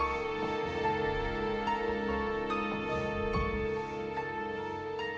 jangan lupa berikan uang untuk para pemain yang sudah berhasil menangkap mereka saat tampil